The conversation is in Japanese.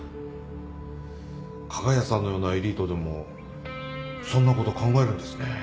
加賀谷さんのようなエリートでもそんなこと考えるんですね。